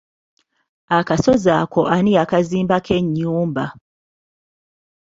Akasozi ako ani yakazimbako ennyumba.